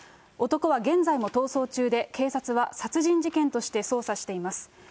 男は現在も逃走中で、警察は殺人事件として捜査しています。